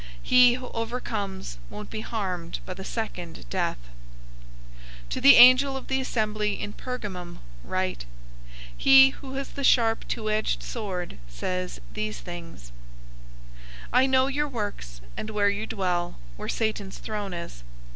He who overcomes won't be harmed by the second death. 002:012 "To the angel of the assembly in Pergamum write: "He who has the sharp two edged sword says these things: 002:013 "I know your works and where you dwell, where Satan's throne is.